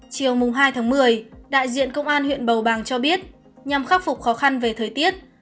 chiều hai tháng một mươi đại diện công an huyện bầu bàng cho biết nhằm khắc phục khó khăn về thời tiết